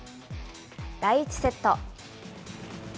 第１セット。